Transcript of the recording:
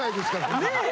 ねえ。